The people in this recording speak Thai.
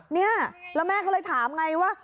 เนี่ยแล้วแม่ก็เลยถามไงว่า